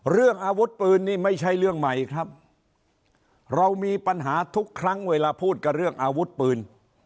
เรื่องอาวุธปืนนี่ไม่ใช่เรื่องใหม่ครับเรามีปัญหาทุกครั้งเวลาพูดกับเรื่องอาวุธปืน